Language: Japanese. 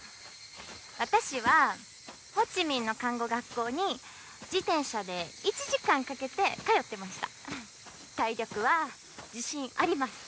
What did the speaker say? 私はホーチミンの看護学校に自転車で１時間かけて通ってました体力は自信あります